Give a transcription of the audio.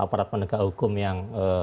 aparat penegak hukum yang